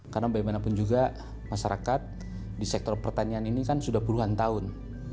karena bagaimanapun juga masyarakat di sektor pertanian ini kan sudah puluhan tahun